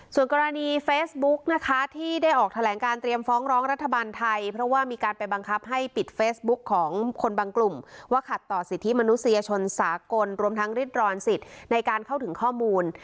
ส่วนกรณีเฟซบุ๊กนะคะที่ได้ออกแถลงการเตรียมฟ้องร้องรัฐบาลไทยเพราะว่ามีการไปบังคับให้ปิดเฟซบุ๊กของคนบางกลุ่มว่าขัดต่อสิทธิมนุษยชนสากลรวมทั้งริดรอนสิทธิ์ในการเข้าถึงข้อมูล